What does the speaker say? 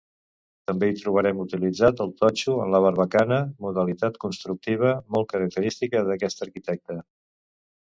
També hi trobarem utilitzat el totxo en la barbacana, modalitat constructiva molt característica d'aquest arquitecte.